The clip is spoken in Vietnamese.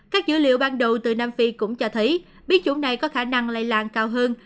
các dữ liệu ban đầu từ nam phi cũng cho thấy biến chủng này có khả năng lây lan cao hơn